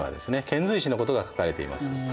遣隋使のことが書かれています。